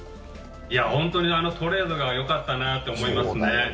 本当にトレードがよかったなと思いますね。